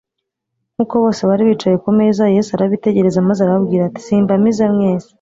Nk'uko bose bari bicaye ku meza, Yesu arabitegereza maze arababwira ati : "Simbamize mwese